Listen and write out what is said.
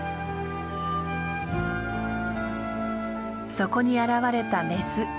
そこに現れたメス。